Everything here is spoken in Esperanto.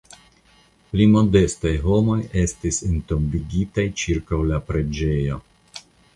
Pli modestaj homoj estis entombigitaj ĉirkaŭ la preĝejo.